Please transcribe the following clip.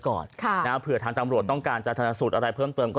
ก่อนค่ะนะเผื่อทางจำรวจต้องการจะชนะสูตรอะไรเพิ่มเติมก็